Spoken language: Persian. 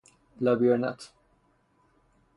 لابیرنت